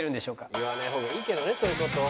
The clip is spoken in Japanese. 言わない方がいいけどねそういう事。